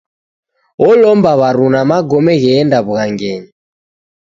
Olomba w'aruna magome gheenda w'ughangenyi.